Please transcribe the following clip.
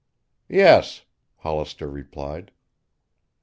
"Yes," Hollister replied.